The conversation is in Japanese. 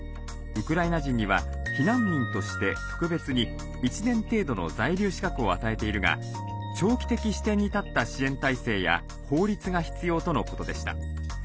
ウクライナ人には避難民として特別に１年程度の在留資格を与えているが長期的視点に立った支援体制や法律が必要とのことでした。